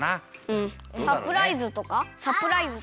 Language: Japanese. うんサプライズとかサプライズ。